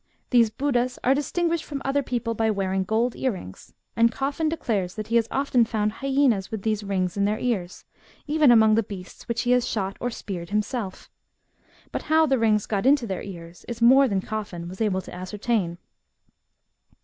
These Budas are distinguished from other people by wearing gold ear rings, and Cofl&n declares that he has often found hyaenas with these rings in their eai s, even among the beasts which he has shot or speared himself. But how the rings got into their ears is more than Coffin was able to ascertain.